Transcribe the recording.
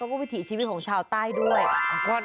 แล้วก็วิถีชีวิตของชาวใต้ด้วย